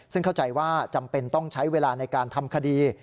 ซึ่งเข้าใจว่าจำเป็นต้องใช้เวลาในการทำคดี